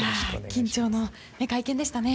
緊張の会見でしたね。